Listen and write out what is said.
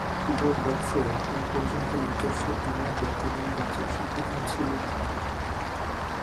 Google ডকসে এখন পর্যন্ত নিজস্ব কোনো ব্যাকরণ যাচাই সুবিধা ছিল না।